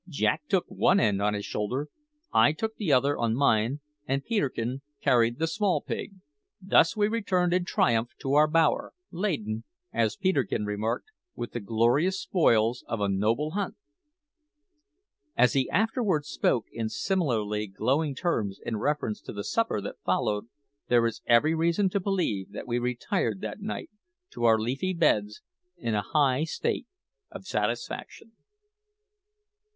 Jack took one end on his shoulder, I took the other on mine, and Peterkin carried the small pig. Thus we returned in triumph to our bower, laden, as Peterkin remarked, with the glorious spoils of a noble hunt. As he afterwards spoke in similarly glowing terms in reference to the supper that followed, there is every reason to believe that we retired that night to our leafy beds in a high state of satisfaction.